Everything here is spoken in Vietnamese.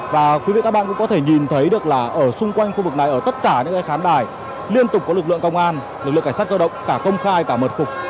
và quý vị các bạn cũng có thể nhìn thấy được là ở xung quanh khu vực này ở tất cả những cái khán đài liên tục có lực lượng công an lực lượng cảnh sát cơ động cả công khai cả mật phục